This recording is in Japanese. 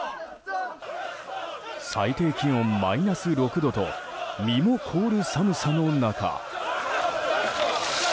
最低気温マイナス６度と身も凍る寒さの中。